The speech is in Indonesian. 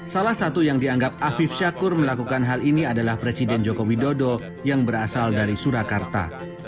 salah satu yang dianggap afif syakur melakukan hal ini adalah presiden joko widodo yang berasal dari surakarta